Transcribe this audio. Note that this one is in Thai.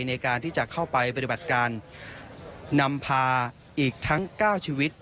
ในการที่จะเข้าไปปฏิบัติการนำพาอีกทั้ง๙ชีวิต